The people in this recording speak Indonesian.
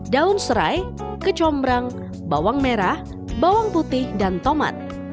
daun serai kecombrang bawang merah bawang putih dan tomat